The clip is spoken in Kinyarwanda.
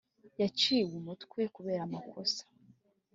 yaciwe umutwe kubera amakosa